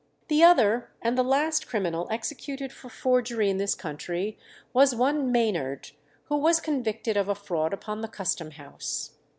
The other and the last criminal executed for forgery in this country was one Maynard, who was convicted of a fraud upon the Custom House.